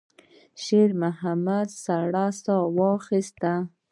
شېرمحمد سړه ساه واخيسته.